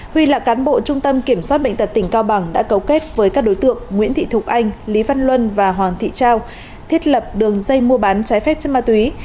huy là cán bộ trung tâm kiểm soát bệnh tật tỉnh cao bằng đã cấu kết với các đối tượng nguyễn thị thục anh lý văn luân và hoàng thị trao thiết lập đường dây mua bán trái phép chất ma túy